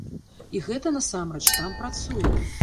І гэта насамрэч там працуе.